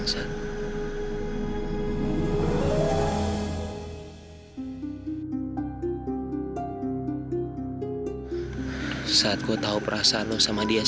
mencintai menutupi merasakan kepada dia